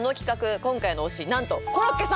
今回の推しなんとコロッケさん